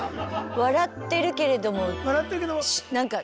笑ってるけれどもなんか。